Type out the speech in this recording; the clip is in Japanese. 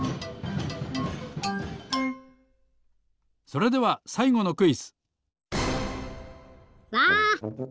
それではさいごのクイズ！わなんだ？